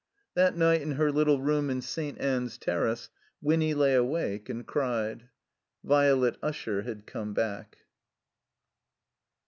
That night, in her little room in St. Ann's Terrace, Winny lay awake and cried. Violet Usher had come back.